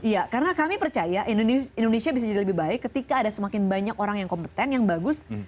iya karena kami percaya indonesia bisa jadi lebih baik ketika ada semakin banyak orang yang kompeten yang bagus